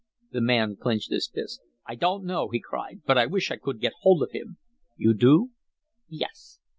The man clinched his fists. "I don't know!" he cried, "but I wish I could get hold of him." "You do?" "Yes."